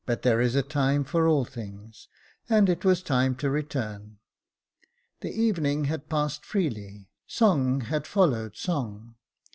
But there is a time for all things, and it was time to Jacob Faithful 273 return. The evening had passed freely; song had followed song.